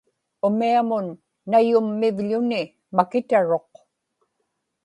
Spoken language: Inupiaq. umiamun nayummivḷuni makitaruq